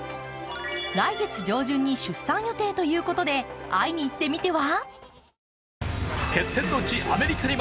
来月上旬に出産予定ということで会いに行ってみては？